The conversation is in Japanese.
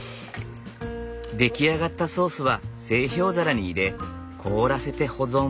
出来上がったソースは製氷皿に入れ凍らせて保存。